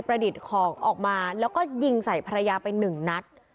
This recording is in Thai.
ดิษฐ์ของออกมาแล้วก็ยิงใส่ภรรยาไปหนึ่งนัด